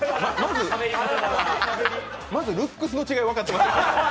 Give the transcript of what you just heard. まず、ルックスの違い分かってます？